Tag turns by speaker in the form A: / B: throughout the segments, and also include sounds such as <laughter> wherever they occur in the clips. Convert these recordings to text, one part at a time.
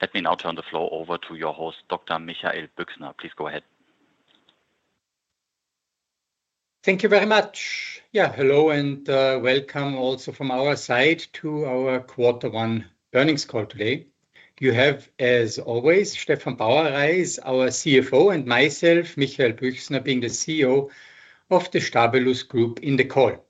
A: Let me now turn the floor over to your host, Dr. Michael Büchsner. Please go ahead.
B: Thank you very much. Yeah, hello and welcome also from our side to our quarter one earnings call today. You have, as always, Stefan Bauerreis, our CFO, and myself, Michael Büchsner, being the CEO of the Stabilus Group in the call.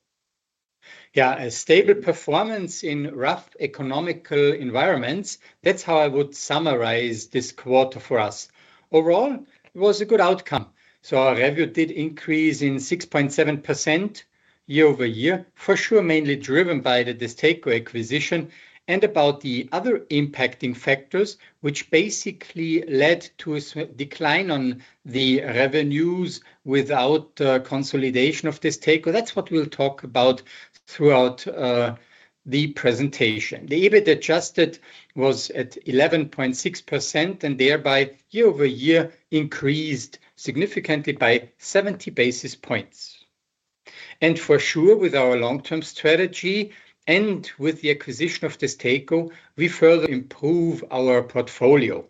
B: Yeah, a stable performance in rough economic environments, that's how I would summarize this quarter for us. Overall, it was a good outcome. So our revenue did increase in 6.7% year-over-year, for sure mainly driven by the DESTACO acquisition and about the other impacting factors, which basically led to a decline on the revenues without consolidation of DESTACO. That's what we'll talk about throughout the presentation. The EBIT adjusted was at 11.6% and thereby year-over-year increased significantly by 70 basis points. And for sure, with our long-term strategy and with the acquisition of DESTACO, we further improve our portfolio.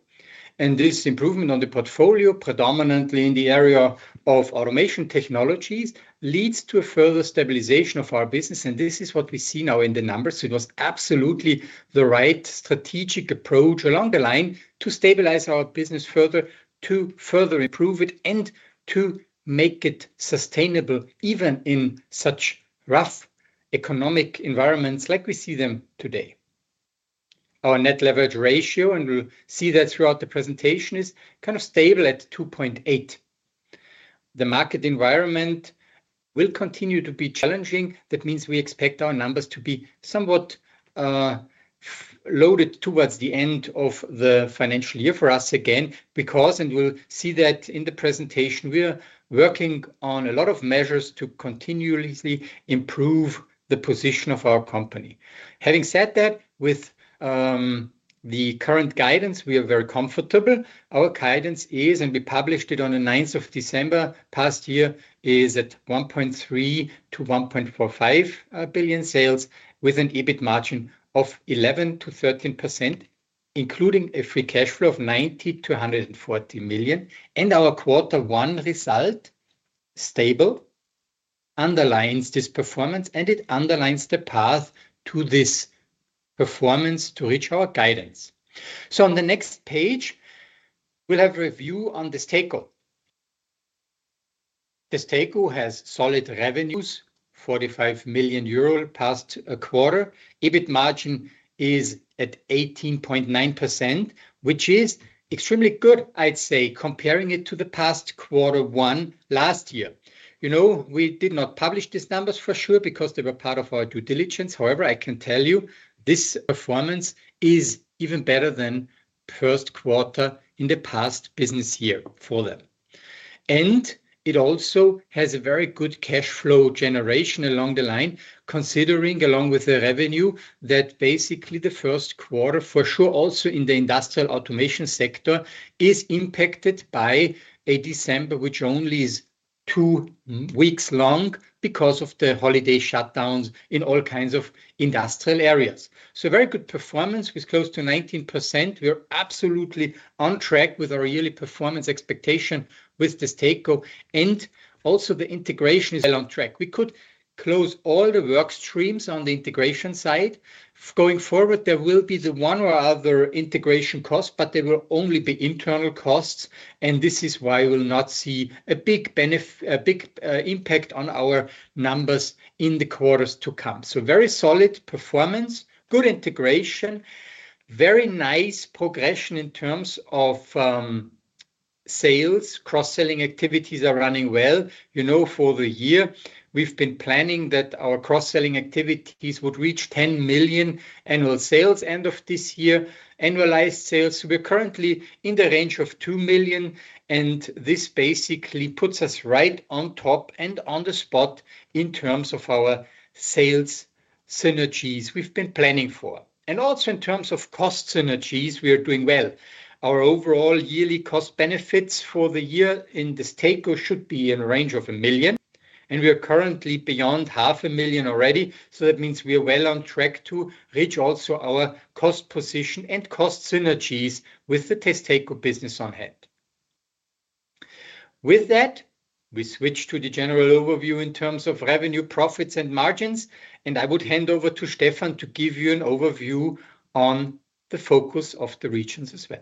B: And this improvement on the portfolio, predominantly in the area of automation technologies, leads to a further stabilization of our business. And this is what we see now in the numbers. It was absolutely the right strategic approach along the line to stabilize our business further, to further improve it, and to make it sustainable even in such rough economic environments like we see them today. Our net leverage ratio, and we'll see that throughout the presentation, is kind of stable at 2.8. The market environment will continue to be challenging. That means we expect our numbers to be somewhat loaded towards the end of the financial year for us again, because, and we'll see that in the presentation, we're working on a lot of measures to continuously improve the position of our company. Having said that, with the current guidance, we are very comfortable. Our guidance is, and we published it on the 9th of December past year, at 1.3 billion-1.45 billion sales with an EBIT margin of 11%-13%, including a free cash flow of 90 million-140 million. Our quarter one result, stable, underlines this performance, and it underlines the path to this performance to reach our guidance. On the next page, we'll have a review on DESTACO. DESTACO has solid revenues, 45 million euro past a quarter. EBIT margin is at 18.9%, which is extremely good, I'd say, comparing it to the past quarter one last year. You know, we did not publish these numbers for sure because they were part of our due diligence. However, I can tell you this performance is even better than first quarter in the past business year for them. It also has a very good cash flow generation along the line, considering along with the revenue that basically the first quarter for sure also in the industrial automation sector is impacted by a December, which only is two weeks long because of the holiday shutdowns in all kinds of industrial areas. So very good performance with close to 19%. We are absolutely on track with our yearly performance expectation with DESTACO. And also the integration is well on track. We could close all the work streams on the integration side. Going forward, there will be the one or other integration cost, but there will only be internal costs. And this is why we'll not see a big impact on our numbers in the quarters to come. So very solid performance, good integration, very nice progression in terms of sales. Cross-selling activities are running well. You know, for the year, we've been planning that our cross-selling activities would reach 10 million annual sales end of this year, annualized sales. We're currently in the range of 2 million, and this basically puts us right on top and on the spot in terms of our sales synergies we've been planning for. And also in terms of cost synergies, we are doing well. Our overall yearly cost benefits for the year in DESTACO should be in the range of 1 million, and we are currently beyond 0.5 million already. So that means we are well on track to reach also our cost position and cost synergies with the DESTACO business in hand. With that, we switch to the general overview in terms of revenue, profits, and margins, and I would hand over to Stefan to give you an overview on the focus of the regions as well.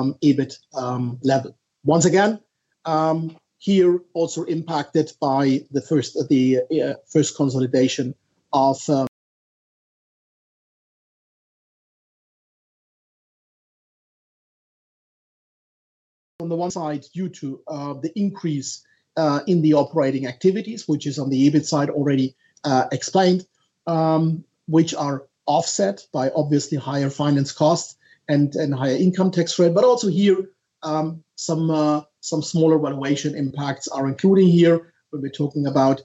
C: <audio distortion> Once again, here also impacted by the first consolidation of. <audio distortion> On the one side, due to the increase in the operating activities, which is on the EBIT side already explained, which are offset by obviously higher finance costs and higher income tax rate. But also here, some smaller valuation impacts are included here when we're talking about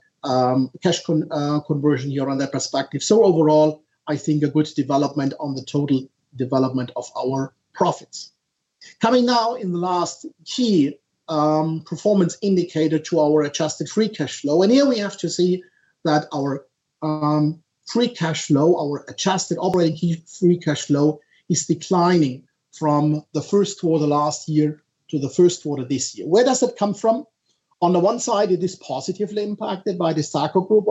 C: cash conversion here on that perspective. So overall, I think a good development on the total development of our profits. Coming now in the last key performance indicator to our adjusted free cash flow. And here we have to see that our free cash flow, our adjusted operating free cash flow is declining from the first quarter last year to the first quarter this year. Where does that come from? On the one side, it is positively impacted by DESTACO group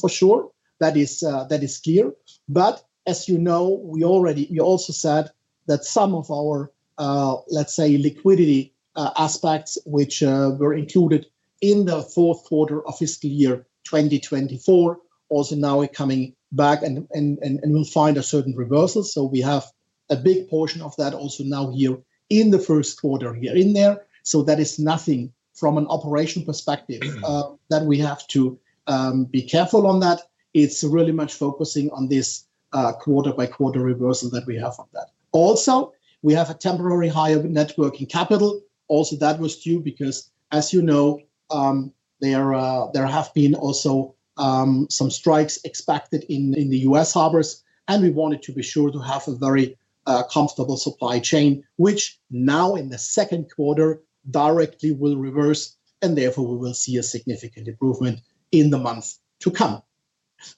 C: for sure. That is clear. But as you know, we already also said that some of our, let's say, liquidity aspects, which were included in the fourth quarter of fiscal year 2024, also now are coming back and will find a certain reversal. So we have a big portion of that also now here in the first quarter here in there. So that is nothing from an operational perspective that we have to be careful on that. It's really much focusing on this quarter-by-quarter reversal that we have on that. Also, we have a temporary high of net working capital. Also, that was due because, as you know, there have been also some strikes expected in the U.S. harbors, and we wanted to be sure to have a very comfortable supply chain, which now in the second quarter directly will reverse, and therefore we will see a significant improvement in the months to come.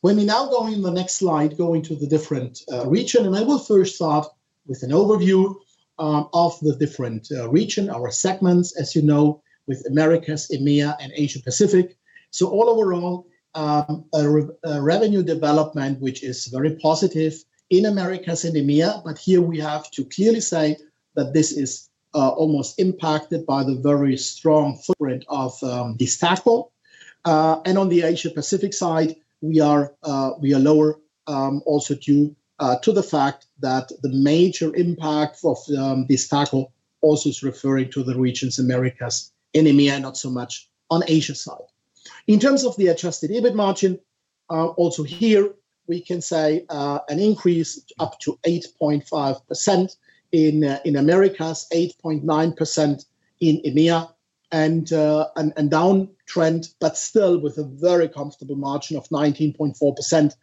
C: When we now go in the next slide, going to the different region, and I will first start with an overview of the different region, our segments, as you know, with Americas, EMEA, and Asia Pacific. So all overall, revenue development, which is very positive in Americas and EMEA, but here we have to clearly say that this is almost impacted by the very strong footprint of the DESTACO. On the Asia Pacific side, we are lower also due to the fact that the major impact of DESTACO also is referring to the regions, Americas and EMEA, not so much on Asia side. In terms of the adjusted EBIT margin, also here we can say an increase up to 8.5% in Americas, 8.9% in EMEA, and downtrend, but still with a very comfortable margin of 19.4%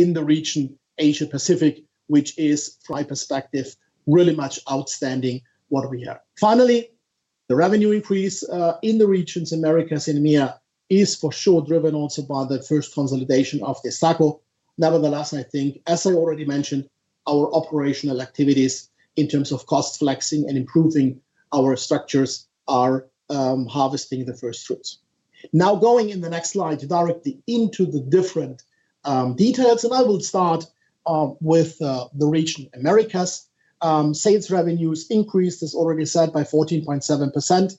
C: in the region, Asia Pacific, which is from my perspective really much outstanding what we have. Finally, the revenue increase in the regions, Americas and EMEA, is for sure driven also by the first consolidation of DESTACO. Nevertheless, I think, as I already mentioned, our operational activities in terms of cost flexing and improving our structures are harvesting the first fruits. Now going in the next slide directly into the different details, and I will start with the region, Americas. Sales revenues increased, as already said, by 14.7%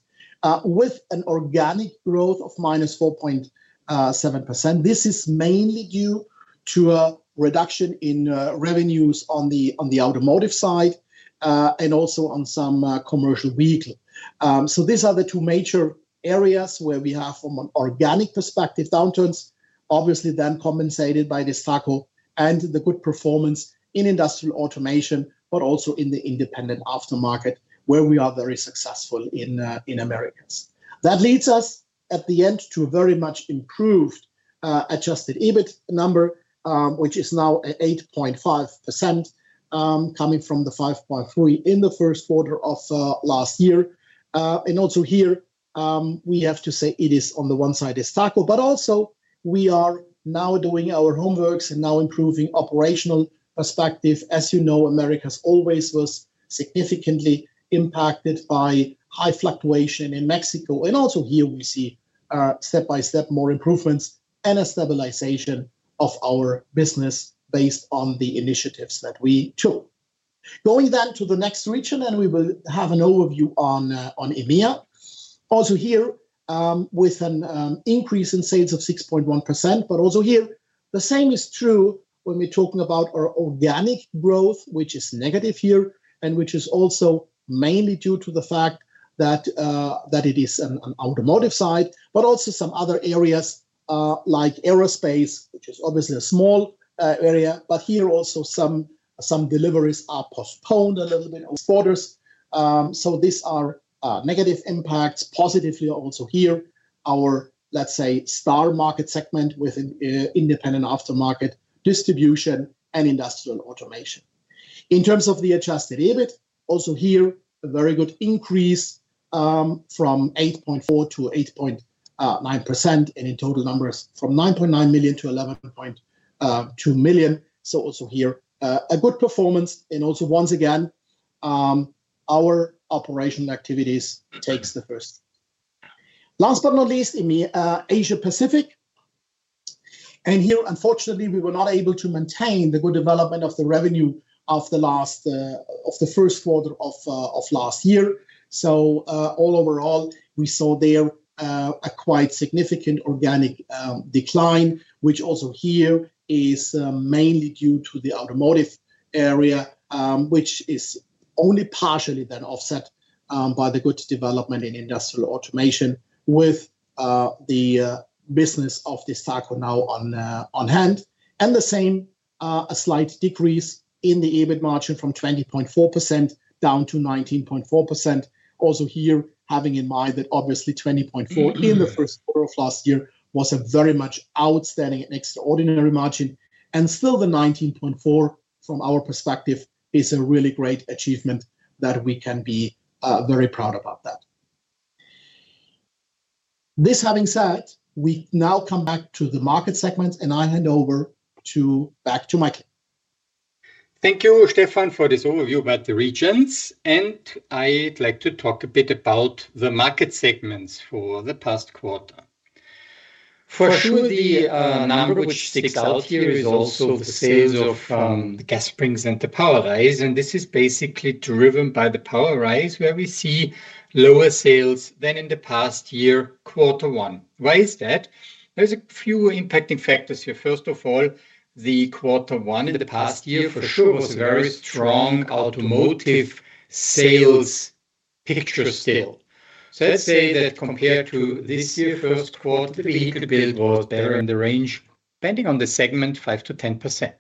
C: with an organic growth of -4.7%. This is mainly due to a reduction in revenues on the automotive side and also on some commercial vehicles. So these are the two major areas where we have from an organic perspective downturns, obviously then compensated by DESTACO and the good performance in industrial automation, but also in the independent aftermarket where we are very successful in Americas. That leads us at the end to a very much improved adjusted EBIT number, which is now at 8.5% coming from the 5.3% in the first quarter of last year. And also here, we have to say it is on the one side DESTACO, but also we are now doing our homework and now improving operational perspective. As you know, Americas always was significantly impacted by high fluctuation in Mexico. And also here we see step by step more improvements and a stabilization of our business based on the initiatives that we took. Going then to the next region, and we will have an overview on EMEA. Also here with an increase in sales of 6.1%, but also here the same is true when we're talking about our organic growth, which is negative here and which is also mainly due to the fact that it is an automotive side, but also some other areas like aerospace, which is obviously a small area, but here also some deliveries are postponed a little bit of orders. So these are negative impacts. Positively also here, our, let's say, star market segment with independent aftermarket distribution and industrial automation. In terms of the adjusted EBIT, also here a very good increase from 8.4% to 8.9% and in total numbers from 9.9 million to 11.2 million. So also here a good performance and also once again, our operational activities takes the first. Last but not least, Asia Pacific. And here, unfortunately, we were not able to maintain the good development of the revenue of the first quarter of last year. So all overall, we saw there a quite significant organic decline, which also here is mainly due to the automotive area, which is only partially then offset by the good development in industrial automation with the business of DESTACO now on hand. And the same, a slight decrease in the EBIT margin from 20.4% down to 19.4%. Also here, having in mind that obviously 20.4% in the first quarter of last year was a very much outstanding and extraordinary margin. And still the 19.4% from our perspective is a really great achievement that we can be very proud about that. That having said, we now come back to the market segments and I hand over back to Michael.
B: Thank you, Stefan, for this overview about the regions, and I'd like to talk a bit about the market segments for the past quarter. For sure, the number which sticks out here is also the sales of gas springs and the POWERISE. And this is basically driven by the POWERISE where we see lower sales than in the past year, quarter one. Why is that? There's a few impacting factors here. First of all, the quarter one in the past year for sure was a very strong automotive sales picture still. So let's say that compared to this year, first quarter, the vehicle build was better in the range depending on the segment 5%-10%.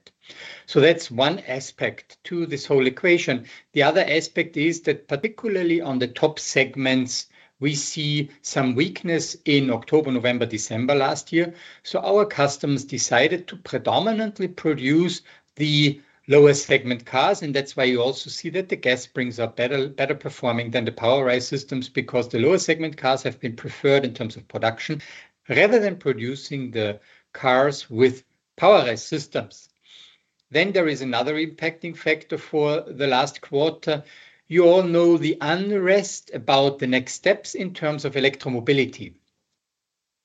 B: So that's one aspect to this whole equation. The other aspect is that particularly on the top segments, we see some weakness in October, November, December last year. So our customers decided to predominantly produce the lower segment cars. And that's why you also see that the gas springs are better performing than the POWERISE systems because the lower segment cars have been preferred in terms of production rather than producing the cars with POWERISE systems. Then there is another impacting factor for the last quarter. You all know the unrest about the next steps in terms of electromobility.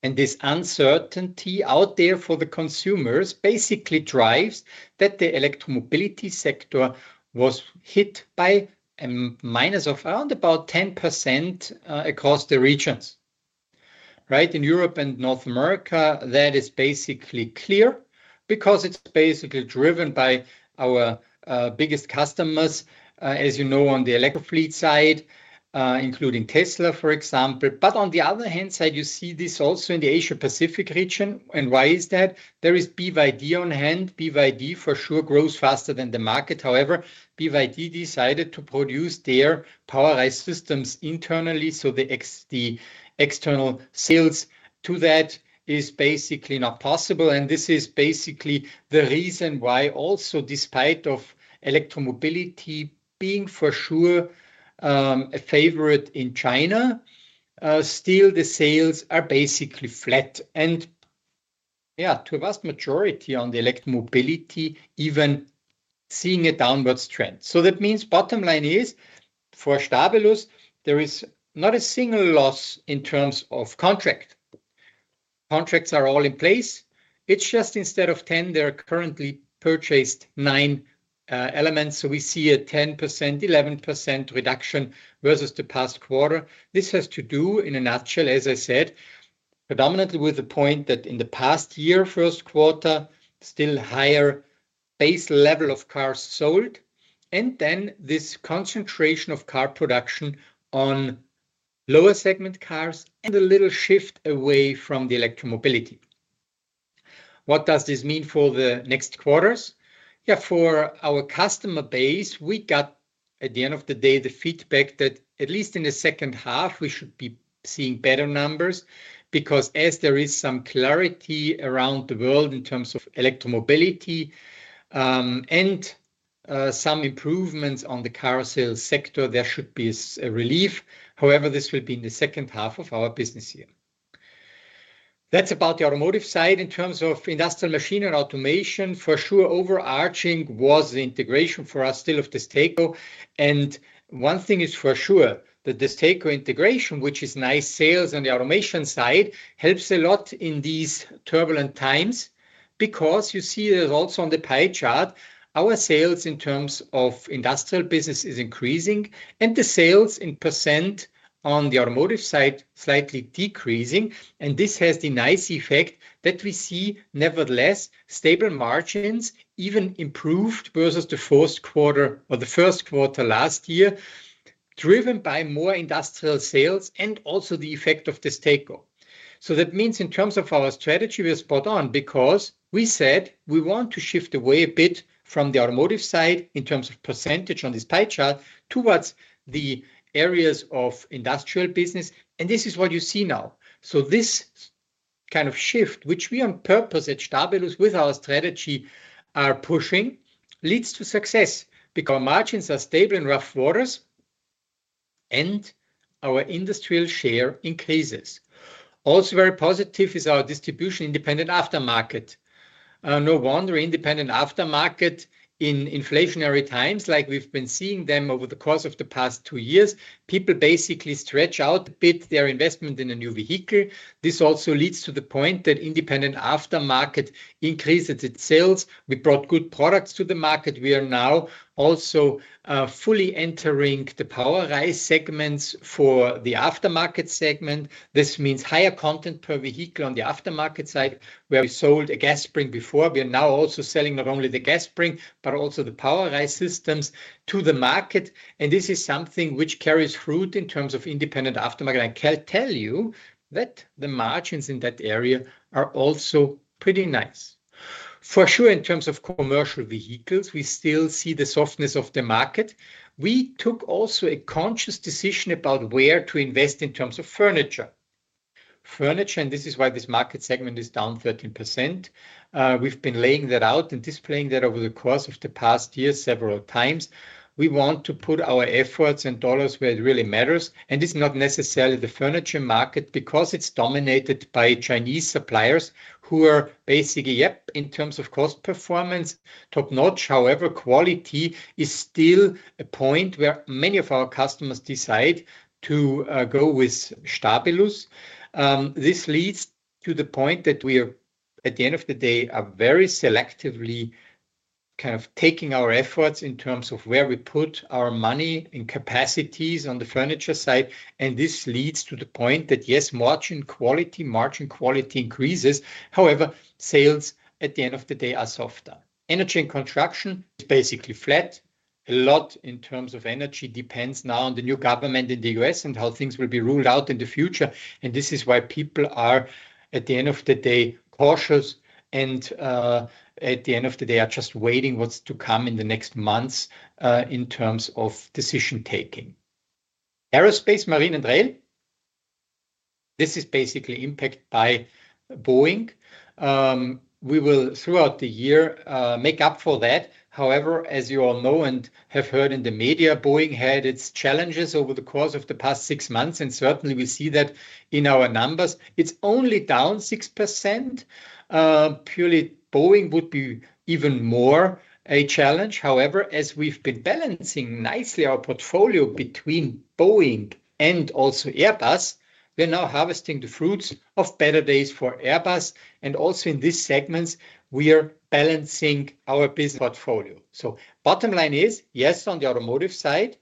B: And this uncertainty out there for the consumers basically drives that the electromobility sector was hit by a minus of around about 10% across the regions. Right? In Europe and North America, that is basically clear because it's basically driven by our biggest customers, as you know, on the electric fleet side, including Tesla, for example. But on the other hand side, you see this also in the Asia Pacific region. And why is that? There is BYD on the one hand. BYD for sure grows faster than the market. However, BYD decided to produce their POWERISE systems internally. So the external sales to that is basically not possible. And this is basically the reason why also, despite electromobility being for sure a favorite in China, still the sales are basically flat. And yeah, to a vast majority on the electromobility, even seeing a downward trend. So that means bottom line is for Stabilus, there is not a single loss in terms of contract. Contracts are all in place. It's just instead of 10, there are currently purchased nine elements. So we see a 10%, 11% reduction versus the past quarter. This has to do, in a nutshell, as I said, predominantly with the point that in the past year, first quarter, still higher base level of cars sold, and then this concentration of car production on lower segment cars, a little shift away from electromobility. What does this mean for the next quarters? Yeah, for our customer base, we got, at the end of the day, the feedback that at least in the second half, we should be seeing better numbers because as there is some clarity around the world in terms of electromobility and some improvements on the car sales sector, there should be a relief. However, this will be in the second half of our business year. That's about the automotive side. In terms of industrial, machine, and automation, for sure, overarching was the integration for us still of DESTACO. And one thing is for sure that the DESTACO integration, which is nice sales on the automation side, helps a lot in these turbulent times because you see there's also on the pie chart, our sales in terms of industrial business is increasing and the sales in percent on the automotive side slightly decreasing. And this has the nice effect that we see nevertheless stable margins even improved versus the first quarter or the first quarter last year driven by more industrial sales and also the effect of the DESTACO. So that means in terms of our strategy, we are spot on because we said we want to shift away a bit from the automotive side in terms of percentage on this pie chart towards the areas of industrial business. And this is what you see now. So this kind of shift, which we on purpose at Stabilus with our strategy are pushing, leads to success because our margins are stable in rough waters and our industrial share increases. Also very positive is our distribution independent aftermarket. No wonder independent aftermarket in inflationary times like we've been seeing them over the course of the past two years, people basically stretch out a bit their investment in a new vehicle. This also leads to the point that independent aftermarket increases its sales. We brought good products to the market. We are now also fully entering the POWERISE segments for the aftermarket segment. This means higher content per vehicle on the aftermarket side where we sold a gas spring before. We are now also selling not only the gas spring, but also the POWERISE systems to the market. This is something which carries fruit in terms of independent aftermarket. I can tell you that the margins in that area are also pretty nice. For sure, in terms of commercial vehicles, we still see the softness of the market. We took also a conscious decision about where to invest in terms of furniture. Furniture, and this is why this market segment is down 13%. We have been laying that out and displaying that over the course of the past year several times. We want to put our efforts and dollars where it really matters. This is not necessarily the furniture market because it is dominated by Chinese suppliers who are basically, yep, in terms of cost performance, top notch. However, quality is still a point where many of our customers decide to go with Stabilus. This leads to the point that we are, at the end of the day, very selectively kind of taking our efforts in terms of where we put our money in capacities on the furniture side, and this leads to the point that, yes, margin quality, margin quality increases. However, sales at the end of the day are softer. Energy and construction is basically flat. A lot in terms of energy depends now on the new government in the U.S. and how things will be rolled out in the future, and this is why people are, at the end of the day, cautious and, at the end of the day, are just waiting what's to come in the next months in terms of decision taking. Aerospace, marine, and rail. This is basically impacted by Boeing. We will, throughout the year, make up for that. However, as you all know and have heard in the media, Boeing had its challenges over the course of the past six months, and certainly we see that in our numbers. It's only down 6%. Purely Boeing would be even more a challenge. However, as we've been balancing nicely our portfolio between Boeing and also Airbus, we're now harvesting the fruits of better days for Airbus, and also in these segments, we are balancing our business portfolio, so bottom line is, yes, on the automotive side,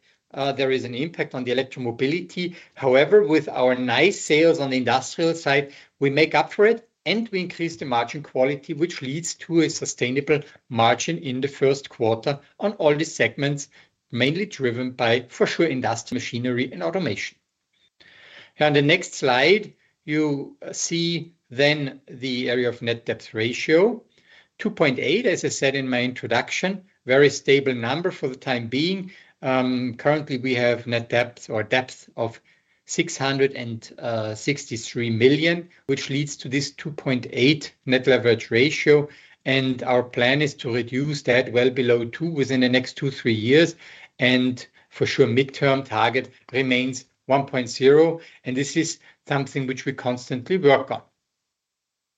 B: there is an impact on the electromobility. However, with our nice sales on the industrial side, we make up for it and we increase the margin quality, which leads to a sustainable margin in the first quarter on all the segments, mainly driven by, for sure, industrial machinery and automation. On the next slide, you see then the area of net debt ratio, 2.8, as I said in my introduction, very stable number for the time being. Currently, we have net debt or debt of 663 million, which leads to this 2.8 net leverage ratio. And our plan is to reduce that well below two within the next two, three years. And for sure, midterm target remains 1.0. And this is something which we constantly work on.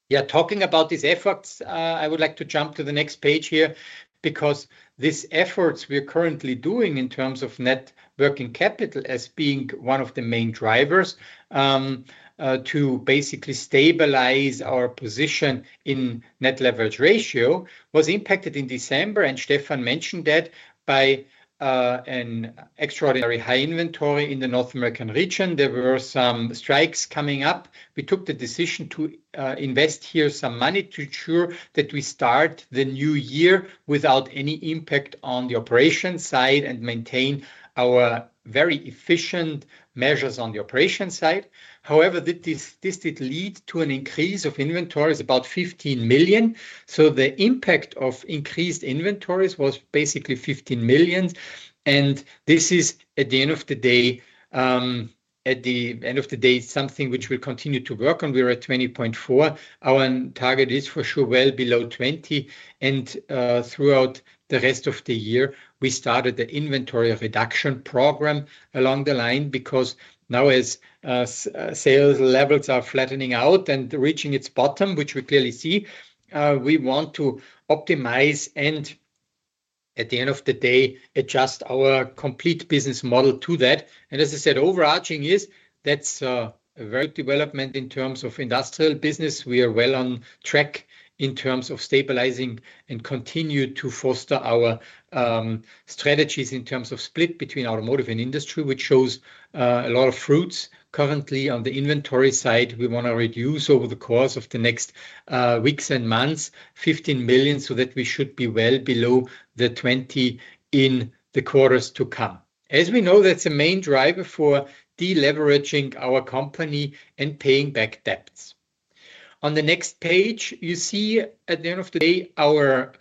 B: Yeah, talking about these efforts, I would like to jump to the next page here because these efforts we are currently doing in terms of net working capital as being one of the main drivers to basically stabilize our position in net leverage ratio was impacted in December. And Stefan mentioned that by an extraordinary high inventory in the North American region. There were some strikes coming up. We took the decision to invest here some money to ensure that we start the new year without any impact on the operation side and maintain our very efficient measures on the operation side. However, this did lead to an increase of inventories about 15 million. So the impact of increased inventories was basically 15 million. And this is, at the end of the day, at the end of the day, something which we continue to work on. We were at 20.4. Our target is for sure well below 20. And throughout the rest of the year, we started the inventory reduction program along the line because now, as sales levels are flattening out and reaching its bottom, which we clearly see, we want to optimize and, at the end of the day, adjust our complete business model to that. And as I said, overarching is that's a very good development in terms of industrial business. We are well on track in terms of stabilizing and continue to foster our strategies in terms of split between automotive and industry, which shows a lot of fruits. Currently, on the inventory side, we want to reduce over the course of the next weeks and months 15 million so that we should be well below the 20 million in the quarters to come. As we know, that's a main driver for deleveraging our company and paying back debts. On the next page, you see at the end of the day, our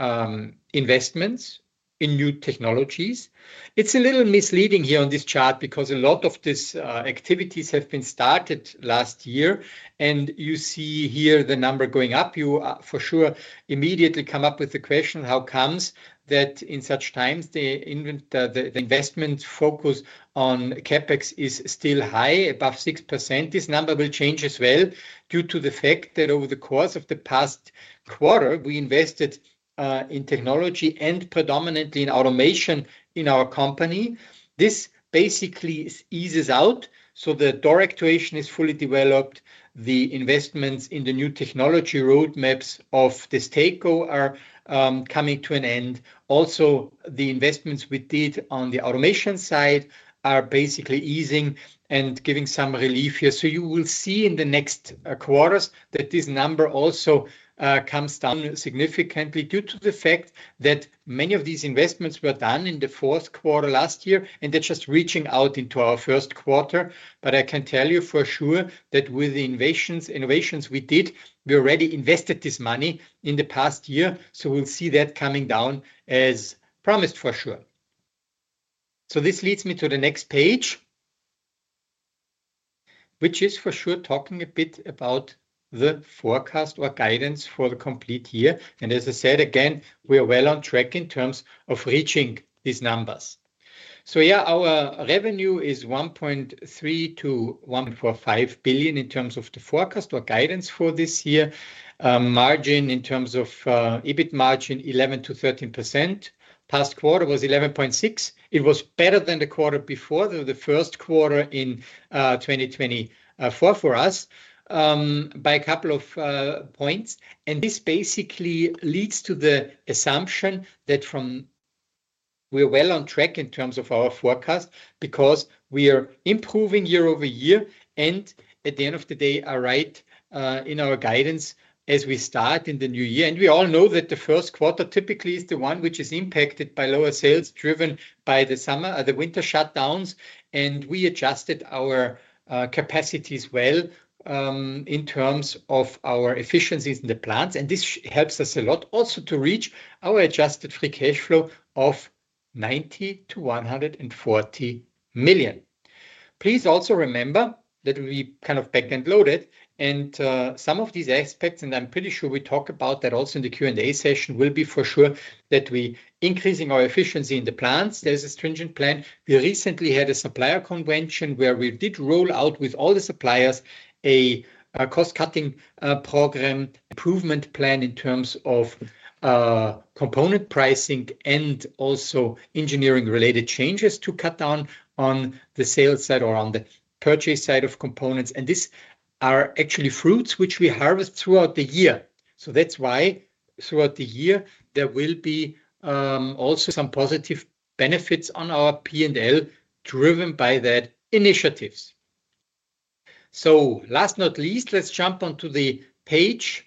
B: investments in new technologies. It's a little misleading here on this chart because a lot of these activities have been started last year. And you see here the number going up. You for sure immediately come up with the question, how comes that in such times the investment focus on CapEx is still high, above 6%? This number will change as well due to the fact that over the course of the past quarter, we invested in technology and predominantly in automation in our company. This basically eases out. So the tooling is fully developed. The investments in the new technology roadmaps of DESTACO are coming to an end. Also, the investments we did on the automation side are basically easing and giving some relief here. So you will see in the next quarters that this number also comes down significantly due to the fact that many of these investments were done in the fourth quarter last year and they're just reaching out into our first quarter. I can tell you for sure that with the innovations we did, we already invested this money in the past year. So we'll see that coming down as promised for sure. So this leads me to the next page, which is for sure talking a bit about the forecast or guidance for the complete year. And as I said, again, we are well on track in terms of reaching these numbers. So yeah, our revenue is 1.3 billion-1.45 billion in terms of the forecast or guidance for this year. Margin in terms of EBIT margin, 11%-13%. Last quarter was 11.6%. It was better than the quarter before the first quarter in 2024 for us by a couple of points. And this basically leads to the assumption that we are well on track in terms of our forecast because we are improving year-over-year. At the end of the day, right in our guidance as we start in the new year. We all know that the first quarter typically is the one which is impacted by lower sales driven by the winter shutdowns. We adjusted our capacities well in terms of our efficiencies in the plants. This helps us a lot also to reach our adjusted free cash flow of 90 million-140 million. Please also remember that we kind of back-loaded. Some of these aspects, and I'm pretty sure we talk about that also in the Q&A session, will be for sure that we are increasing our efficiency in the plants. There's a stringent plan. We recently had a supplier convention where we did roll out with all the suppliers a cost-cutting program, improvement plan in terms of component pricing and also engineering-related changes to cut down on the sales side or on the purchase side of components. And these are actually fruits which we harvest throughout the year. So that's why throughout the year, there will be also some positive benefits on our P&L driven by that initiatives. So last but not least, let's jump onto the page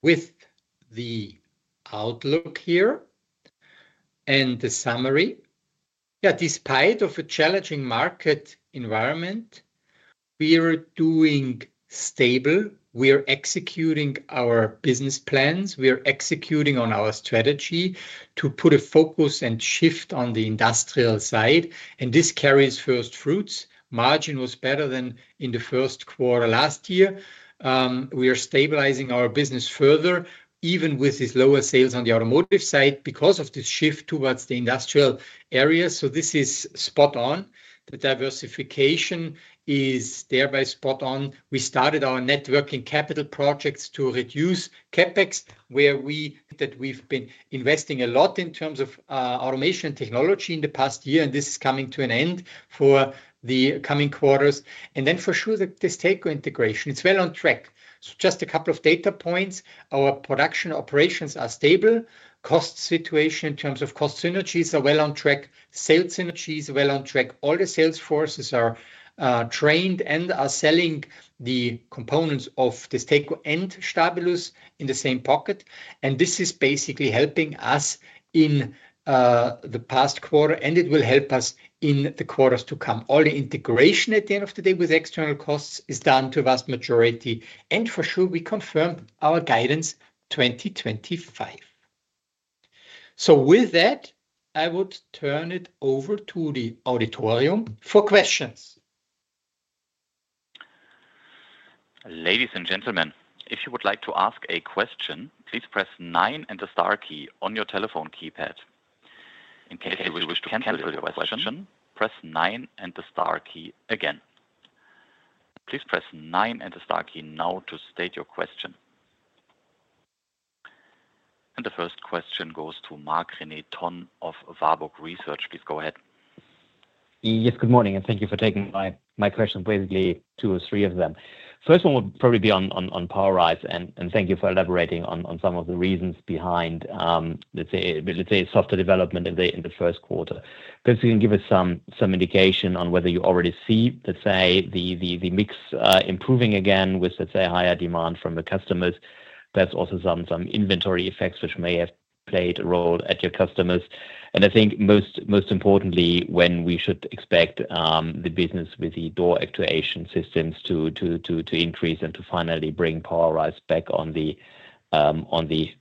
B: with the outlook here and the summary. Yeah, despite a challenging market environment, we are doing stable. We are executing our business plans. We are executing on our strategy to put a focus and shift on the industrial side. And this carries first fruits. Margin was better than in the first quarter last year. We are stabilizing our business further, even with these lower sales on the automotive side because of this shift towards the industrial area, so this is spot on. The diversification is thereby spot on. We started our net working capital projects to reduce CapEx, where that we've been investing a lot in terms of automation technology in the past year, and this is coming to an end for the coming quarters, and then for sure, DESTACO integration is well on track, so just a couple of data points. Our production operations are stable. Cost situation in terms of cost synergies are well on track. Sales synergies are well on track. All the sales forces are trained and are selling the components of DESTACO and Stabilus in the same pocket. This is basically helping us in the past quarter, and it will help us in the quarters to come. All the integration at the end of the day with external costs is done to a vast majority. For sure, we confirmed our guidance 2025. With that, I would turn it over to the auditorium for questions.
A: Ladies and gentlemen, if you would like to ask a question, please press nine and the star key on your telephone keypad. In case you will wish to cancel your question, press nine and the star key again. Please press nine and the star key now to state your question. The first question goes to Marc-René Tonn of Warburg Research. Please go ahead.
D: Yes, good morning. Thank you for taking my questions, basically two or three of them. First one would probably be on POWERISE. Thank you for elaborating on some of the reasons behind, let's say, software development in the first quarter. Basically, you can give us some indication on whether you already see, let's say, the mix improving again with, let's say, higher demand from the customers. There's also some inventory effects which may have played a role at your customers. I think most importantly, when we should expect the business with the door actuation systems to increase and to finally bring POWERISE back on the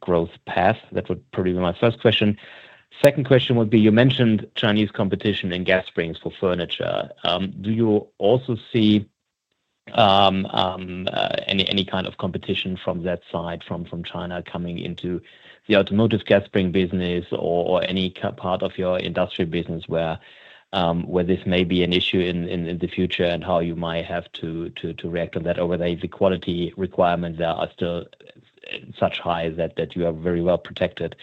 D: growth path, that would probably be my first question. Second question would be, you mentioned Chinese competition in gas springs for furniture. Do you also see any kind of competition from that side, from China coming into the automotive gas spring business or any part of your industry business where this may be an issue in the future and how you might have to react on that? Or the quality requirements are still such high that you are very well protected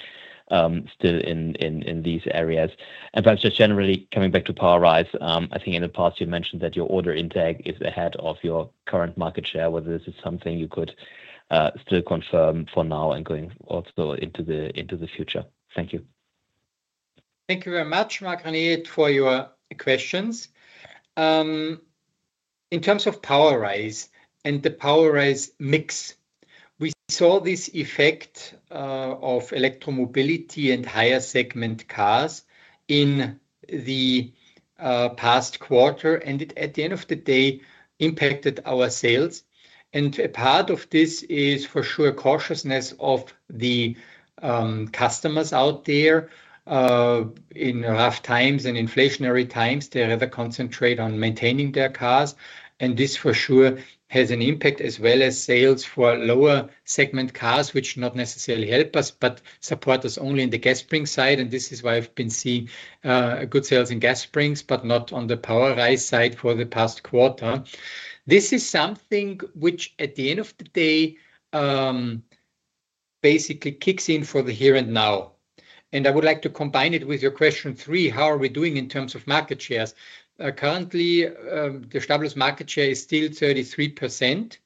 D: still in these areas. And perhaps just generally coming back to POWERISE, I think in the past you mentioned that your order intake is ahead of your current market share. Whether this is something you could still confirm for now and going also into the future? Thank you.
B: Thank you very much, Marc-René, for your questions. In terms of POWERISE and the POWERISE mix, we saw this effect of electromobility and higher segment cars in the past quarter. And at the end of the day, it impacted our sales. Part of this is for sure cautiousness of the customers out there. In rough times and inflationary times, they rather concentrate on maintaining their cars. This for sure has an impact as well as sales for lower segment cars, which not necessarily help us, but support us only in the gas spring side. This is why I've been seeing good sales in gas springs, but not on the POWERISE side for the past quarter. This is something which, at the end of the day, basically kicks in for the here and now. I would like to combine it with your question three. How are we doing in terms of market shares? Currently, the Stabilus market share is still 33%.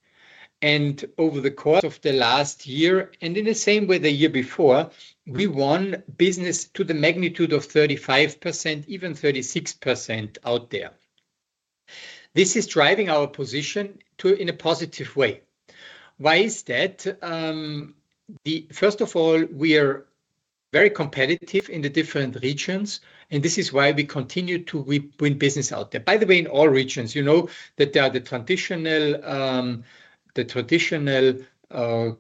B: Over the course of the last year, and in the same way the year before, we won business to the magnitude of 35%, even 36% out there. This is driving our position in a positive way. Why is that? First of all, we are very competitive in the different regions. And this is why we continue to win business out there. By the way, in all regions, you know that there are the traditional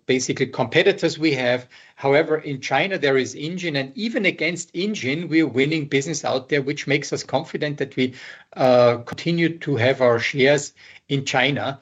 B: basically competitors we have. However, in China, there is Engine. And even against Engine, we are winning business out there, which makes us confident that we continue to have our shares in China.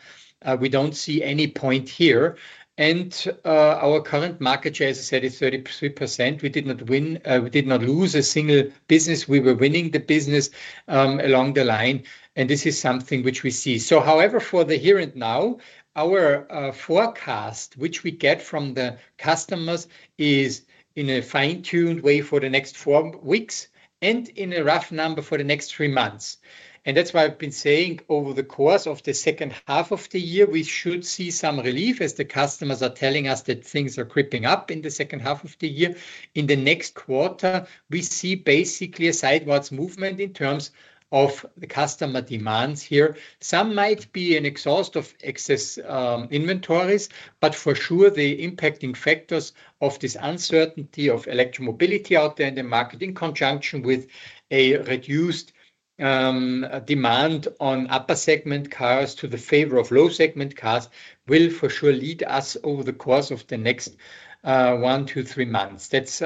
B: We don't see any point here. And our current market share, as I said, is 33%. We did not lose a single business. We were winning the business along the line. And this is something which we see. So however, for the here and now, our forecast, which we get from the customers, is in a fine-tuned way for the next four weeks and in a rough number for the next three months. And that's why I've been saying over the course of the second half of the year, we should see some relief as the customers are telling us that things are creeping up in the second half of the year. In the next quarter, we see basically a sideways movement in terms of the customer demands here. Some might be an exhaustion of excess inventories, but for sure, the impacting factors of this uncertainty of electromobility out there in the market, in conjunction with a reduced demand on upper segment cars to the favor of low segment cars, will for sure lead us over the course of the next one, two, three months. That's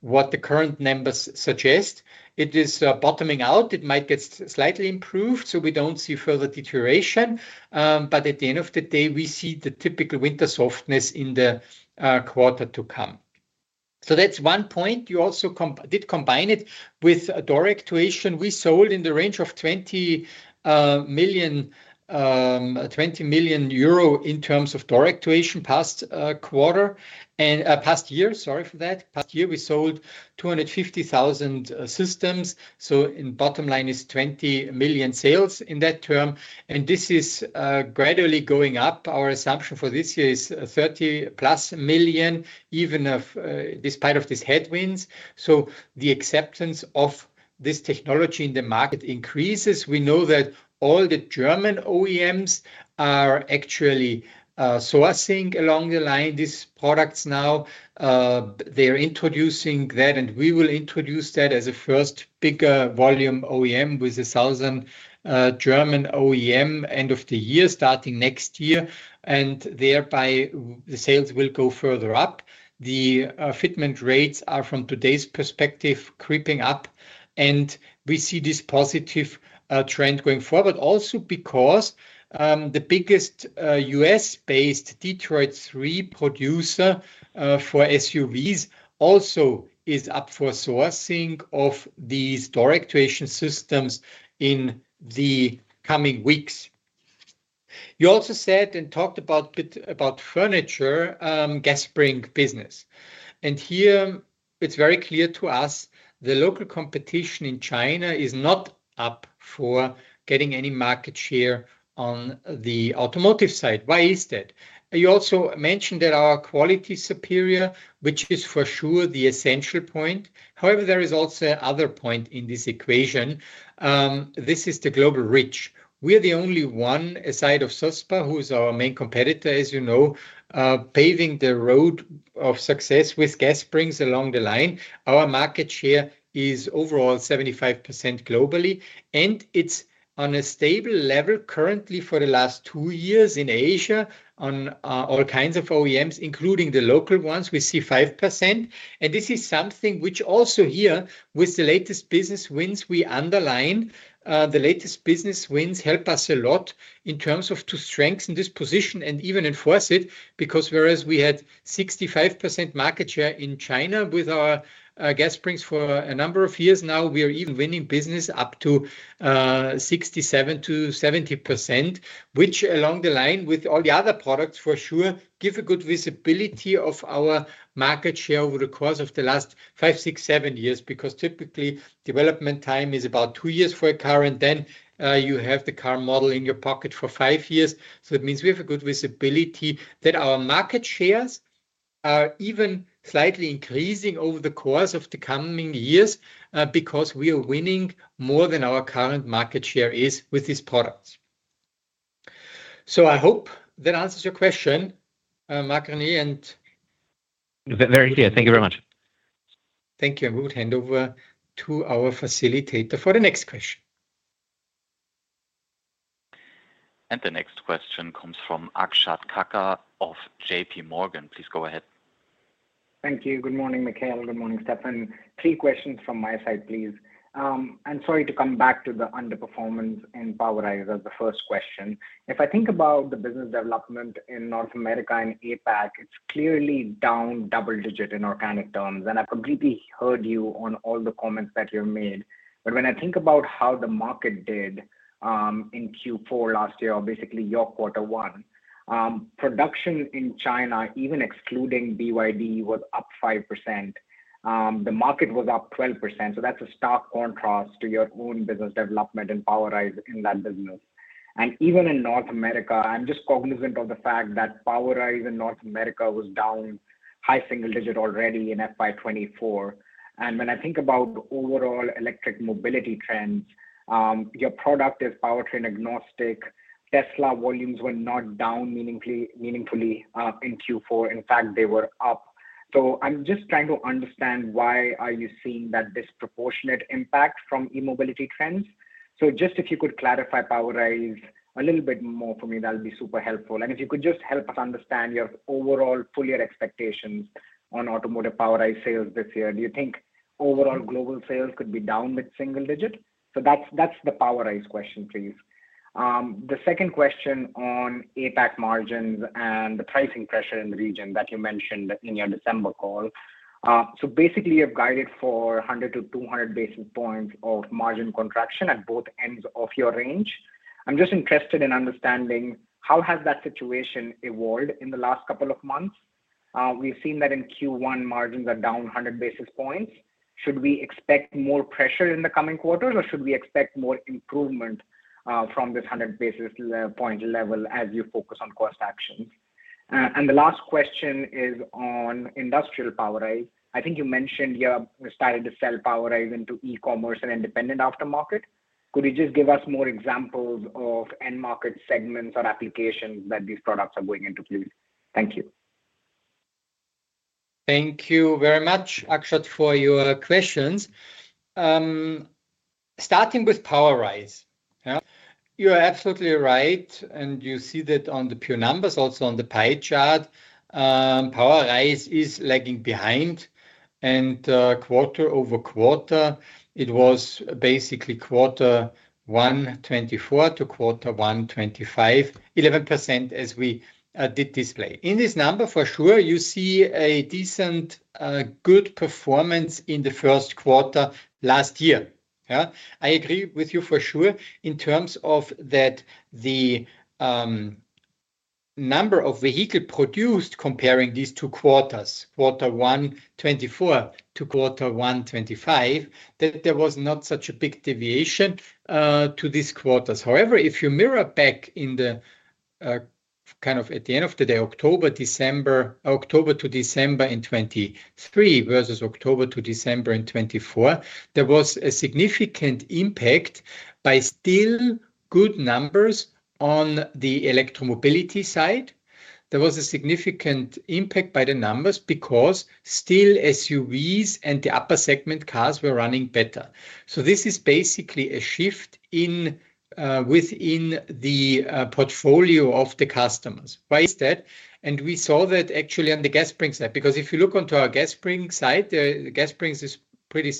B: what the current numbers suggest. It is bottoming out. It might get slightly improved. So we don't see further deterioration. But at the end of the day, we see the typical winter softness in the quarter to come. So that's one point. You also did combine it with door actuation. We sold in the range of 20 million euro in terms of door actuation past quarter. And past year, sorry for that. Past year, we sold 250,000 systems. So the bottom line is 20 million sales in that term. And this is gradually going up. Our assumption for this year is 30+ million, even despite of these headwinds. So the acceptance of this technology in the market increases. We know that all the German OEMs are actually sourcing along the line these products now. They're introducing that, and we will introduce that as a first big volume OEM with the southern German OEM end of the year starting next year. And thereby, the sales will go further up. The fitment rates are, from today's perspective, creeping up. And we see this positive trend going forward also because the biggest U.S.-based Detroit Three producer for SUVs also is up for sourcing of these actuation systems in the coming weeks. You also said and talked about furniture gas spring business. And here, it's very clear to us the local competition in China is not up for getting any market share on the automotive side. Why is that? You also mentioned that our quality is superior, which is for sure the essential point. However, there is also another point in this equation. This is the global reach. We are the only one aside from SUSPA, who is our main competitor, as you know, paving the road of success with gas springs along the line. Our market share is overall 75% globally, and it's on a stable level currently for the last two years in Asia on all kinds of OEMs, including the local ones. We see 5%, and this is something which also here with the latest business wins, we underline. The latest business wins help us a lot in terms of strengthening this position and even enforcing it because whereas we had 65% market share in China with our gas springs for a number of years, now we are even winning business up to 67%-70%, which along the line with all the other products for sure gives a good visibility of our market share over the course of the last five, six, seven years because typically development time is about two years for a car. And then you have the car model in your pocket for five years. So it means we have a good visibility that our market shares are even slightly increasing over the course of the coming years because we are winning more than our current market share is with these products. So I hope that answers your question, Marc-René.
D: Very clear. Thank you very much.
B: Thank you. And we will hand over to our facilitator for the next question.
A: And the next question comes from Akshat Kacker of JPMorgan. Please go ahead.
E: Thank you. Good morning, Michael. Good morning, Stefan. Three questions from my side, please. I'm sorry to come back to the underperformance in POWERISE as the first question. If I think about the business development in North America and APAC, it's clearly down double digit in organic terms. And I've completely heard you on all the comments that you've made. But when I think about how the market did in Q4 last year, or basically your quarter one, production in China, even excluding BYD, was up 5%. The market was up 12%. So that's a stark contrast to your own business development and POWERISE in that business. And even in North America, I'm just cognizant of the fact that POWERISE in North America was down high single digit already in FY 2024. And when I think about overall electric mobility trends, your product is powertrain agnostic. Tesla volumes were not down meaningfully in Q4. In fact, they were up. So I'm just trying to understand why are you seeing that disproportionate impact from e-mobility trends? So just if you could clarify POWERISE a little bit more for me, that would be super helpful. And if you could just help us understand your overall full year expectations on automotive POWERISE sales this year, do you think overall global sales could be down with single digit? So that's the POWERISE question, please. The second question on APAC margins and the pricing pressure in the region that you mentioned in your December call. So basically, you've guided for 100-200 basis points of margin contraction at both ends of your range. I'm just interested in understanding how has that situation evolved in the last couple of months? We've seen that in Q1, margins are down 100 basis points. Should we expect more pressure in the coming quarters, or should we expect more improvement from this 100 basis point level as you focus on cost actions? And the last question is on industrial POWERISE. I think you mentioned you started to sell POWERISE into e-commerce and independent aftermarket. Could you just give us more examples of end market segments or applications that these products are going into, please? Thank you.
B: Thank you very much, Akshat, for your questions. Starting with POWERISE. You're absolutely right. And you see that on the pure numbers, also on the pie chart, POWERISE is lagging behind. And quarter over quarter, it was basically quarter one 2024 to quarter one 2025, 11% as we did display. In this number, for sure, you see a decent good performance in the first quarter last year. I agree with you for sure in terms of that the number of vehicles produced comparing these two quarters, quarter one 2024 to quarter one 2025, that there was not such a big deviation to these quarters. However, if you mirror back in the kind of at the end of the day, October to December in 2023 versus October to December in 2024, there was a significant impact by still good numbers on the electromobility side. There was a significant impact by the numbers because still SUVs and the upper segment cars were running better. So this is basically a shift within the portfolio of the customers. Why is that? And we saw that actually on the gas spring side because if you look onto our gas spring side, the gas springs is pretty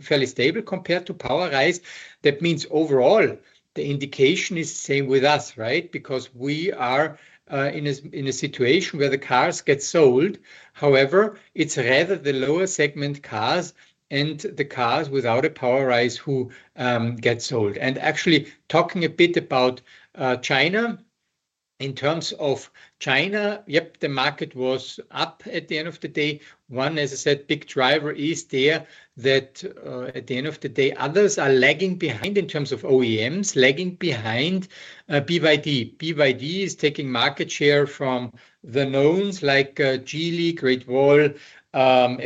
B: fairly stable compared to POWERISE. That means overall, the indication is the same with us, right? Because we are in a situation where the cars get sold. However, it's rather the lower segment cars and the cars without a POWERISE who get sold. And actually talking a bit about China in terms of China, yep, the market was up at the end of the day. One, as I said, big driver is there that at the end of the day, others are lagging behind in terms of OEMs, lagging behind BYD. BYD is taking market share from the knowns like Geely, Great Wall, FAW,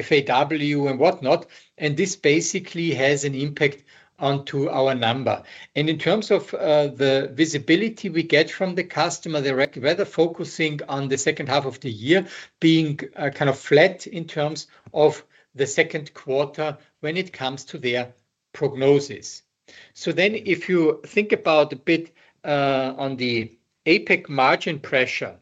B: and whatnot. And this basically has an impact onto our number. In terms of the visibility we get from the customer, they're rather focusing on the second half of the year being kind of flat in terms of the second quarter when it comes to their prognosis. If you think about a bit on the APAC margin pressure,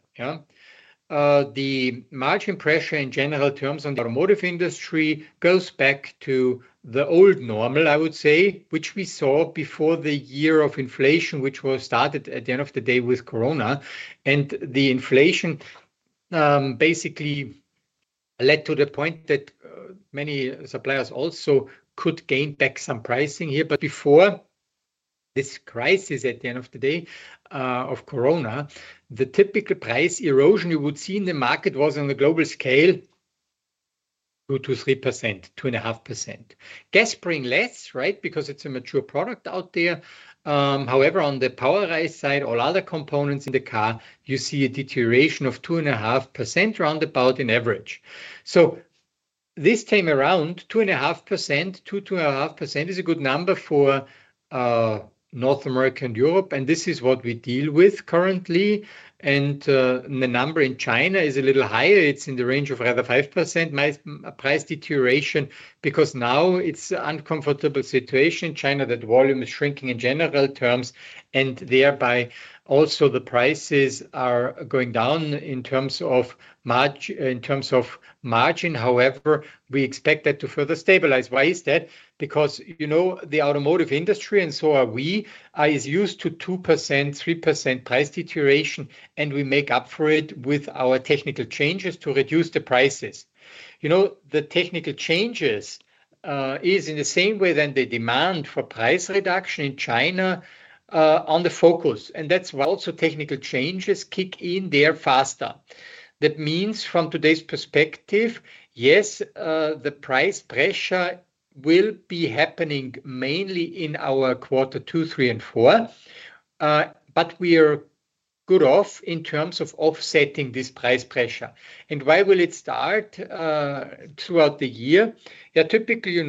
B: the margin pressure in general terms on the automotive industry goes back to the old normal, I would say, which we saw before the year of inflation, which was started at the end of the day with Corona. The inflation basically led to the point that many suppliers also could gain back some pricing here. Before this crisis at the end of the day of Corona, the typical price erosion you would see in the market was on the global scale 2%-3%, 2.5%. Gas spring less, right? Because it's a mature product out there. However, on the POWERISE side, all other components in the car, you see a deterioration of 2.5% roundabout in average. So this time around, 2.5%, 2%-2.5% is a good number for North America and Europe, and this is what we deal with currently, and the number in China is a little higher. It's in the range of rather 5% price deterioration because now it's an uncomfortable situation in China that volume is shrinking in general terms, and thereby also the prices are going down in terms of margin. However, we expect that to further stabilize. Why is that? Because the automotive industry, and so are we, is used to 2%, 3% price deterioration, and we make up for it with our technical changes to reduce the prices. The technical changes is in the same way than the demand for price reduction in China on the focus. That's why also technical changes kick in there faster. That means from today's perspective, yes, the price pressure will be happening mainly in our quarter two, three, and four. But we are well off in terms of offsetting this price pressure. And why will it start throughout the year? Yeah, typically,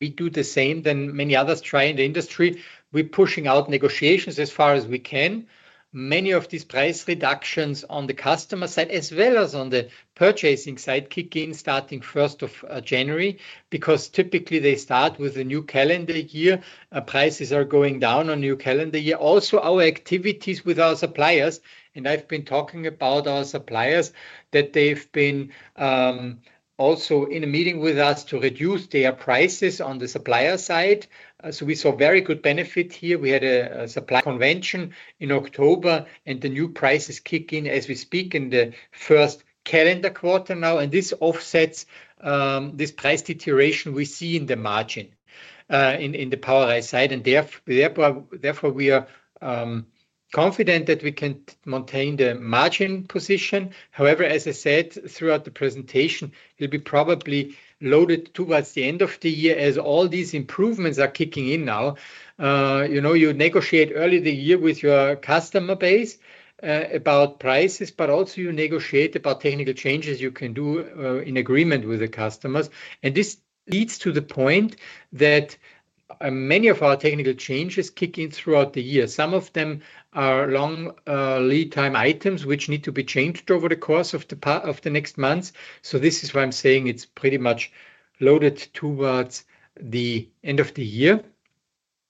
B: we do the same than many others try in the industry. We're pushing out negotiations as far as we can. Many of these price reductions on the customer side as well as on the purchasing side kick in starting 1st of January because typically they start with a new calendar year. Prices are going down on a new calendar year. Also our activities with our suppliers. And I've been talking about our suppliers that they've been also in a meeting with us to reduce their prices on the supplier side. So we saw very good benefit here. We had a supply convention in October, and the new prices kick in as we speak in the first calendar quarter now. And this offsets this price deterioration we see in the margin in the POWERISE side. And therefore, we are confident that we can maintain the margin position. However, as I said throughout the presentation, it'll be probably loaded towards the end of the year as all these improvements are kicking in now. You negotiate early in the year with your customer base about prices, but also you negotiate about technical changes you can do in agreement with the customers. And this leads to the point that many of our technical changes kick in throughout the year. Some of them are long lead time items which need to be changed over the course of the next months. So this is why I'm saying it's pretty much loaded towards the end of the year.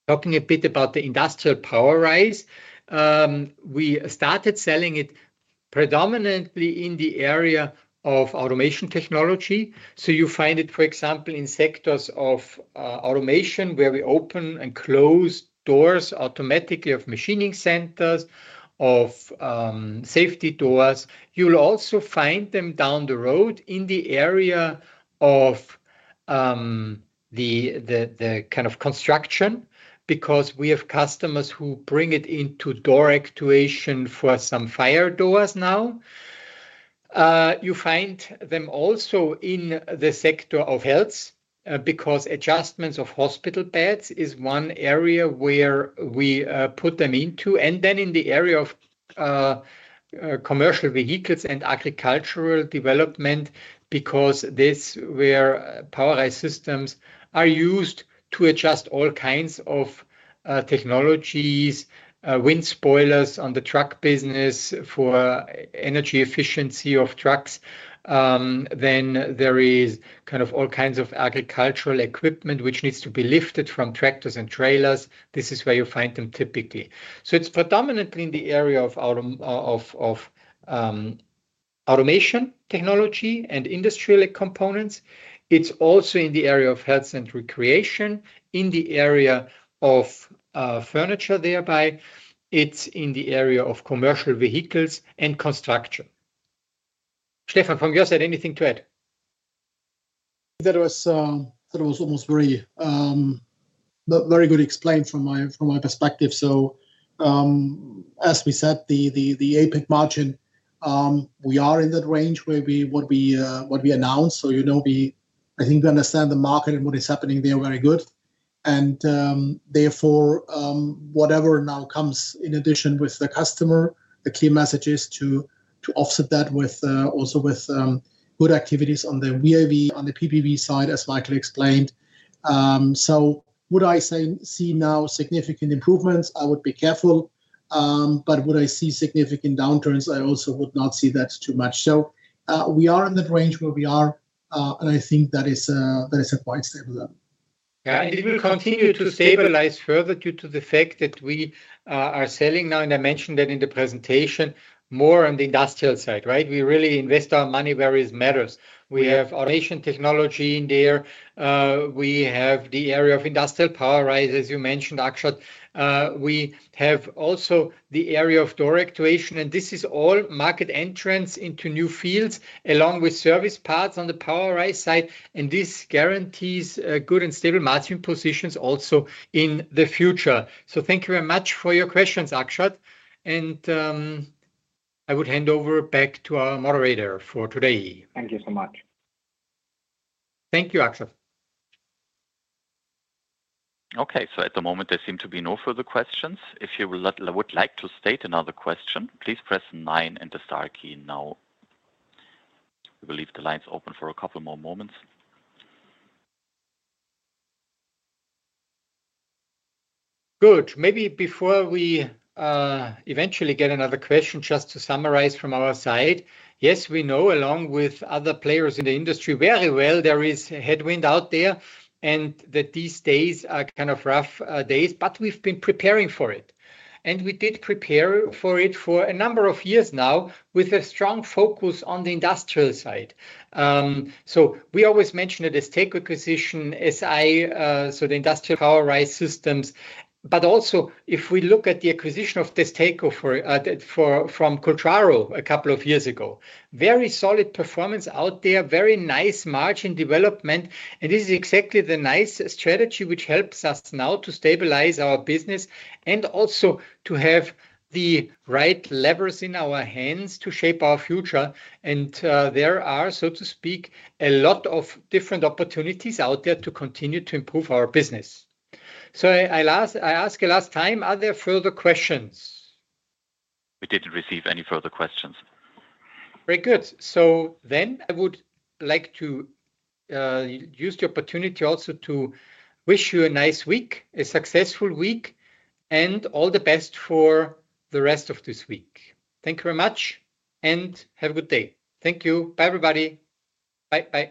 B: Talking a bit about the industrial POWERISE, we started selling it predominantly in the area of automation technology. So you find it, for example, in sectors of automation where we open and close doors automatically of machining centers, of safety doors. You'll also find them down the road in the area of the kind of construction because we have customers who bring it into door actuation for some fire doors now. You find them also in the sector of health because adjustments of hospital beds is one area where we put them into. And then in the area of commercial vehicles and agricultural development because this where POWERISE systems are used to adjust all kinds of technologies, wind spoilers on the truck business for energy efficiency of trucks. Then there is kind of all kinds of agricultural equipment which needs to be lifted from tractors and trailers. This is where you find them typically. So it's predominantly in the area of automation technology and industrial components. It's also in the area of health and recreation, in the area of furniture thereby. It's in the area of commercial vehicles and construction. Stefan, from your side, anything to add?
C: That was almost very good explained from my perspective. So as we said, the APAC margin, we are in that range where what we announced. So I think we understand the market and what is happening there very good. And therefore, whatever now comes in addition with the customer, the key message is to offset that also with good activities on the PPV side as Michael explained. So would I see now significant improvements? I would be careful. But would I see significant downturns? I also would not see that too much. So we are in the range where we are, and I think that is a quite stable level.
B: Yeah, it will continue to stabilize further due to the fact that we are selling now. And I mentioned that in the presentation more on the industrial side, right? We really invest our money where it matters. We have automation technology in there. We have the area of industrial POWERISE, as you mentioned, Akshat. We have also the area of door actuation. And this is all market entrance into new fields along with service parts on the POWERISE side. And this guarantees good and stable margin positions also in the future. So thank you very much for your questions, Akshat. And I would hand over back to our moderator for today.
E: Thank you so much.
B: Thank you, Akshat.
A: Okay, so at the moment, there seem to be no further questions. If you would like to state another question, please press nine and the star key now. We will leave the lines open for a couple more moments.
B: Good. Maybe before we eventually get another question, just to summarize from our side, yes, we know along with other players in the industry very well, there is headwind out there, and these days are kind of rough days, but we've been preparing for it, and we did prepare for it for a number of years now with a strong focus on the industrial side, so we always mentioned it as Tech acquisition, so the industrial POWERISE systems, but also if we look at the acquisition of this takeover from Cultraro a couple of years ago, very solid performance out there, very nice margin development. And this is exactly the nice strategy which helps us now to stabilize our business and also to have the right levers in our hands to shape our future. And there are, so to speak, a lot of different opportunities out there to continue to improve our business. So I asked last time, are there further questions?
A: We didn't receive any further questions.
B: Very good. So then I would like to use the opportunity also to wish you a nice week, a successful week, and all the best for the rest of this week. Thank you very much and have a good day. Thank you. Bye, everybody. Bye.